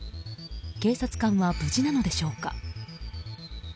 警察官は無事なのでしょうか。